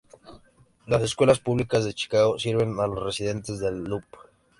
Las Escuelas Públicas de Chicago sirven a los residentes del Loop.